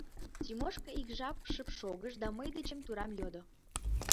Тимошка ик жап шып шогыш да мый дечем турам йодо: